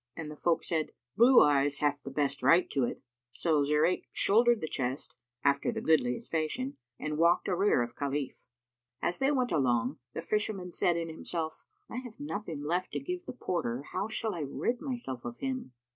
"[FN#286] And the folk said, "Blue eyes hath the best right to it." So Zurayk shouldered the chest, after the goodliest fashion, and walked a rear of Khalif. As they went along, the Fisherman said in himself, "I have nothing left to give the porter; how shall I rid myself of him?